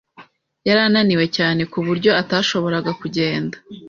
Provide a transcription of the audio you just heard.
Yari ananiwe cyane ku buryo atashoboraga kugenda.